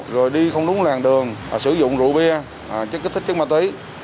rồi đi không đúng làng đường sử dụng rượu bia chất kích thích chất ma túy